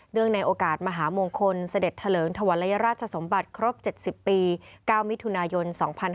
ในโอกาสมหามงคลเสด็จเถลิงถวรรยราชสมบัติครบ๗๐ปี๙มิถุนายน๒๕๕๙